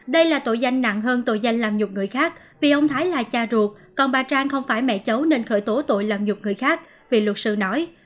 đây là tội danh nặng hơn tội danh làm nhục người khác vì ông thái là cha ruột còn bà trang không phải mẹ cháu nên khởi tố tội làm nhục người khác vì luật sư nói